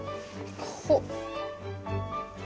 ほっ。